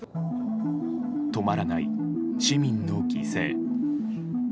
止まらない市民の犠牲。